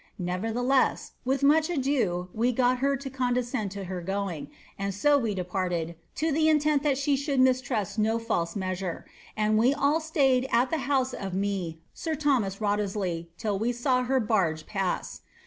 VavertlielMS, with much ado we got her to condescend to her going, and so we departed, to the intent that she should mistrust no false mea (iire, and we all staid at the house of me air Thomas Wriothesley till ■ nw her barge pass.